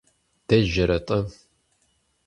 Дежьэрэ-тӀэ?